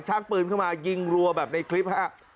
ช้างปืนเข้ามายิงรัวแบบในคลิปครับ